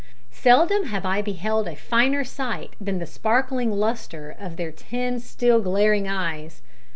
Seldom have I beheld a finer sight than the sparkling lustre of their ten still glaring eyes!